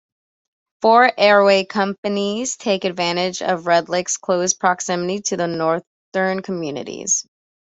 Four airway companies take advantage of Red Lake's close proximity to the northern communities.